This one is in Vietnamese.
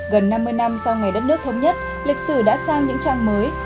gần năm mươi năm sau ngày đất nước thống nhất lịch sử đã sang những trang mới